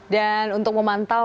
dan untuk memantau